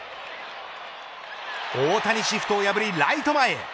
大谷シフトを破りライト前へ。